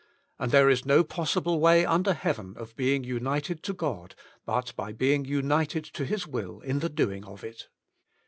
And there is no possible way under heaven of being united to God BUT BY Being United to His Will in the doing of it.